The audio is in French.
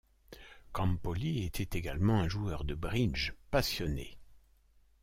Campoli était également un joueur de bridge passionné.